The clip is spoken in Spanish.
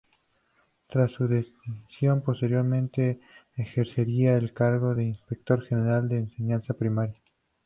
Tras su destitución, posteriormente ejercería el cargo de Inspector general de Enseñanza Primaria.